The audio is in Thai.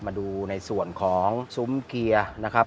มาดูในส่วนของซุ้มเกียร์นะครับ